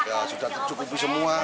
ya sudah tercukupi semua